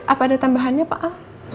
apa ada tambahannya pak al